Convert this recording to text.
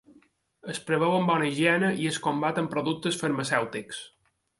Es preveu amb bona higiene i es combat amb productes farmacèutics.